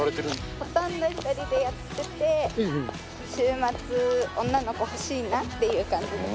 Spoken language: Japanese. ほとんど１人でやってて週末女の子ほしいなっていう感じです。